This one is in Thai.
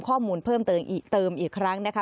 ข้อมูลเพิ่มเติมอีกครั้งนะคะ